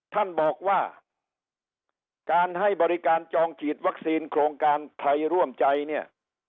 ท่านบอกว่าการให้บริการจองฉีดวัคซีนโครงการไทยร่วมใจเนี่ย